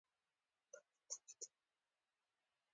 او د هغوي د وادۀ لوظ قول يې وکړۀ